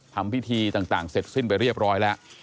ทำพิธีต่างเสร็จสิ้นไปเรียบร้อยแล้ว